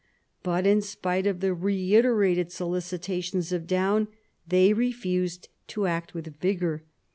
But in spite of the reiterated solicitations of Daun, they refused to act with vigour.